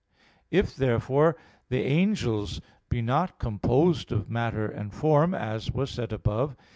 If, therefore, the angels be not composed of matter and form, as was said above (A.